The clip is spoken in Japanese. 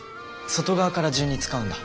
外側から順に使うんだ。